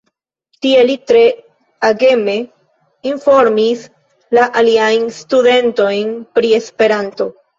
Tie li tre ageme informis la aliajn studentojn pri Esperanto.